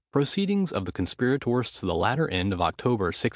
PROCEEDINGS OF THE CONSPIRATORS, TO THE LATTER END OF OCTOBER, 1605.